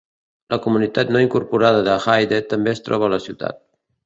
La comunitat no incorporada de Hyde també es troba a la ciutat.